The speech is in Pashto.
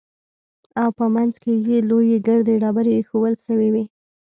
او په منځ کښې يې لويې ګردې ډبرې ايښوول سوې وې.